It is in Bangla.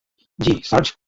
জ্বি, সার্জ!